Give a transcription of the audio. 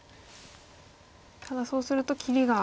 ただそうすると切りが。